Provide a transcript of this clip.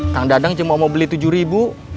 kang dadang cuma mau beli tujuh ribu